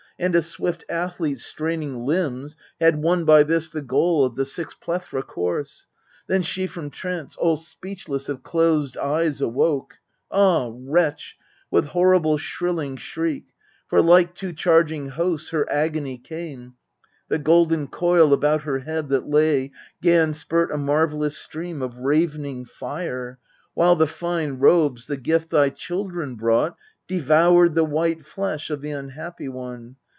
And a swift athlete's straining limbs had won By this the goal of the six plethra course: Then she from trance all speechless of closed eyes Awoke ah, wretch ! with horrible shrilling shriek : For like two charging hosts her agony came The golden coil about her head that lay 'Gan spurt a marvellous stream of ravening fire ; While the fine robes, the gift thy children brought, Devoured the white flesh of the unhappy one.